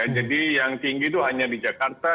jadi yang tinggi itu hanya di jakarta